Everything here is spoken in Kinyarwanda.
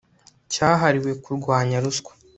cyahariwe kurwanya ruswa